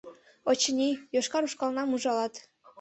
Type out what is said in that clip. Очыни, йошкар ушкалнам ужалат.